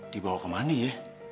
dibawa kemari ya